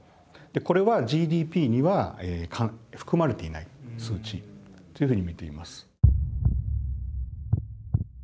でこれはＧＤＰには含まれていない数値というふうに見ています。